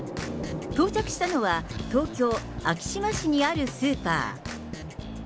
到着したのは、東京・昭島市にあるスーパー。